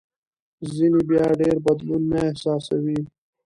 ځینې بیا ډېر بدلون نه احساسوي.